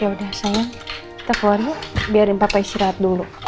yaudah sayang kita keluarin biarin papa isi rehat dulu